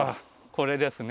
これですね。